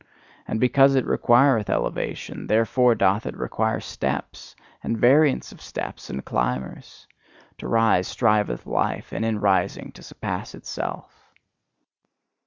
And because it requireth elevation, therefore doth it require steps, and variance of steps and climbers! To rise striveth life, and in rising to surpass itself.